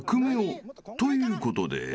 ということで］